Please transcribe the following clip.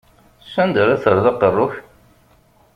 S anda ara terreḍ aqerru-k?